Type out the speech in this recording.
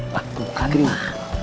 pak aku mau ke sini